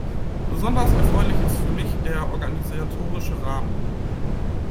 Besonders erfreulich ist für mich der organisatorische Rahmen.